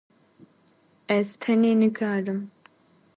Ez tenê nikarim.